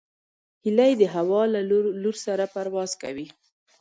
هیلۍ د هوا له لور سره پرواز کوي